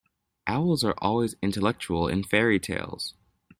Owls are always intellectual in fairy-tales.